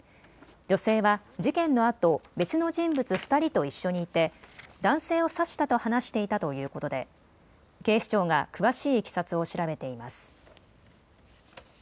女性は事件のあと別の人物２人と一緒にいて男性を刺したと話していたということで警視庁が詳しいいきさつを調べています。